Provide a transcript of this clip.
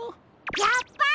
やっぱり！